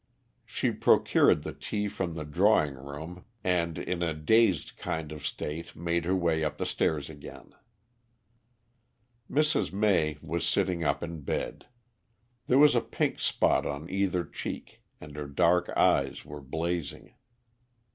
She procured the tea from the drawing room and, in a dazed kind of state made her way up the stairs again. Mrs. May was sitting up in bed. There was a pink spot on either cheek and her dark eyes were blazing.